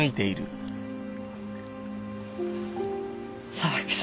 沢木さん。